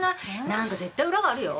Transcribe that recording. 何か絶対裏があるよ。